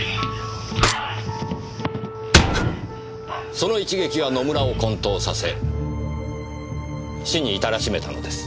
その一撃は野村を昏倒させ死に至らしめたのです。